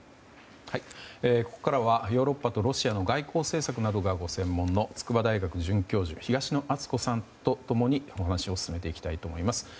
ここからはヨーロッパとロシアの外交政策などがご専門の筑波大学准教授東野篤子さんと共にお話を進めていきたいと思います。